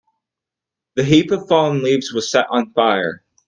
The heap of fallen leaves was set on fire.